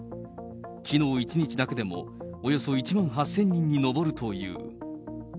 きのう一日だけでもおよそ１万８０００人に上るという。